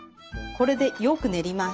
これでよく練ります。